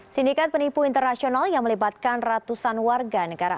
sindikat penipu internasional yang melibatkan ratusan warga negara